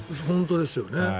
本当ですよね。